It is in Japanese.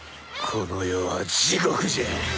この世は地獄じゃ！